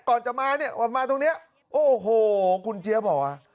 ก่อนจะมาเนี่ยออกมาตรงนี้โอ้โหคุณเจี๊ยบบอกว่า